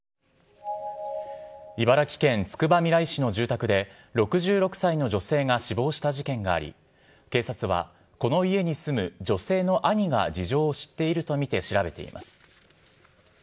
茨城県つくばみらい市の住宅で、６６歳の女性が死亡した事件があり、警察はこの家に住む女性の兄が事情を知っていると見て調べています。